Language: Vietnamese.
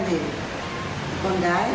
thì con gái